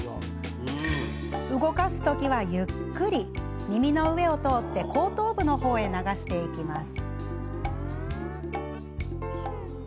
動かす時はゆっくり耳の上を通って後頭部の方へ流していきます。